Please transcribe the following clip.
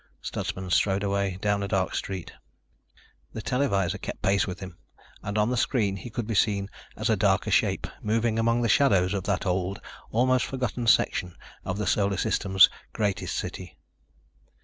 Stutsman strode away, down a dark street. The televisor kept pace with him and on the screen he could be seen as a darker shape moving among the shadows of that old, almost forgotten section of the Solar System's greatest city.